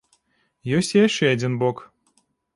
Ёсць і яшчэ адзін бок.